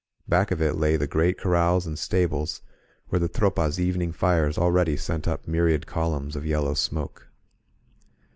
Back of it lay the great corrals and stables, where the Tropa's even ing fires already sent up myriad columns of yellow smoke.